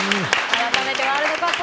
改めて、ワールドカップ